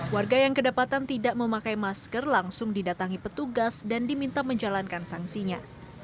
warga yang kedapatan tidak memakai masker langsung didatangi petugas dan diminta menjalankan sanksinya